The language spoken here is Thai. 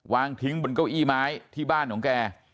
วางทิ้งบนเก้าอี้ไม้ที่บ้านของแก